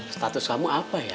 status kamu apa ya